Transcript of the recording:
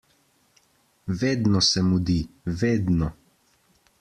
Vedno se mudi, vedno!